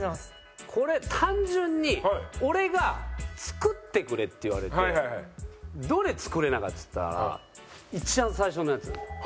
これ単純に俺が作ってくれって言われてどれ作れないかっつったら一番最初のやつ。